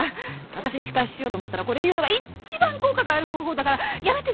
私に仕返ししようと思ったらこれ言うのが一番効果がある方法だからやめてね。